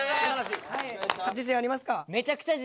自信ありますか？